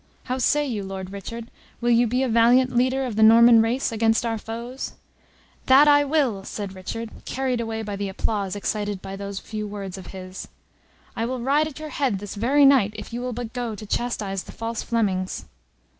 How say you, Lord Richard, will you be a valiant leader of the Norman race against our foes?" "That I will!" said Richard, carried away by the applause excited by those few words of his. "I will ride at your head this very night if you will but go to chastise the false Flemings."